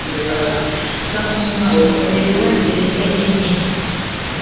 bakumva umubiri wagize intege nke